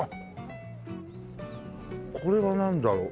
これがなんだろう？